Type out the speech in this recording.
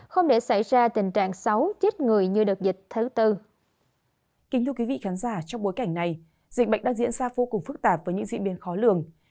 không để xảy ra tình trạng xấu chết người như đợt dịch thứ bốn